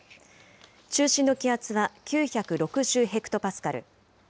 中心の気圧は９６０ヘクトパスカル。